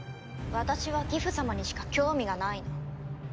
私はギフ様にしか興味がないの。